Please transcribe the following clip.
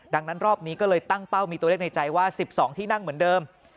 ดังนั้นรอบนี้ก็เลยตั้งเป้ามีตัวเลขในใจว่า๑๒ที่นั่งเหมือนเดิม